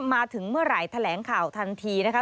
มาถึงเมื่อไหร่แถลงข่าวทันทีนะคะ